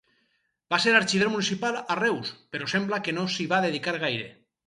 Va ser arxiver municipal a Reus, però sembla que no s'hi va dedicar gaire.